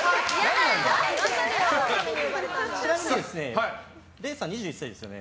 ちなみにれいさん２１歳ですよね。